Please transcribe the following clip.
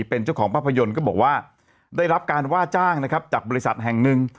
เป็นเจ้าของภาพยนตร์ก็บอกว่าได้รับการว่าจ้างนะครับจากบริษัทแห่งหนึ่ง